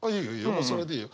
もうそれでいいよ。